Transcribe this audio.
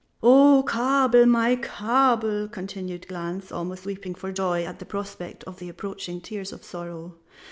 "O Kabel, my Kabel!" continued Glanz, almost weeping for joy at the prospect of the approaching tears of sorrow.